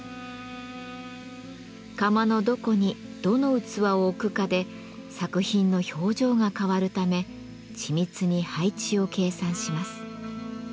窯のどこにどの器を置くかで作品の表情が変わるため緻密に配置を計算します。